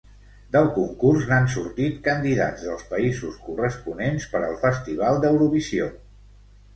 Del concurs n'han sortit candidats dels països corresponents per al festival d'Eurovisió.